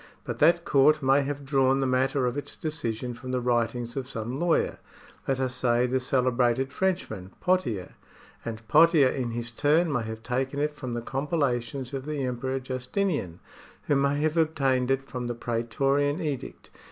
But that court may have drawn the matter of its decision from the writings of some lawyer, let us say the celebrated Frenchman, Pothicr ; and Pothier in his turn may have taken it from the compila tions of the Emperor Justinian, who may have obtained it from the praetorian edict.